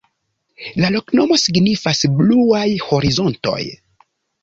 La loknomo signifas: bluaj horizontoj.